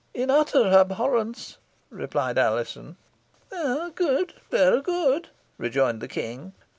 "In utter abhorrence," replied Alizon. "Gude vera gude," rejoined the King.